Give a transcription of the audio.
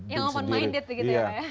yang open minded begitu ya pak ya